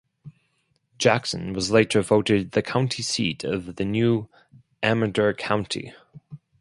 Jackson was later voted the county seat of the new Amador County.